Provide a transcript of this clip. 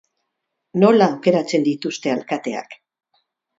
Nola aukeratzen dituzte alkateak?